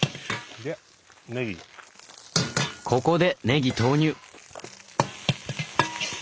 ここでねぎ投入！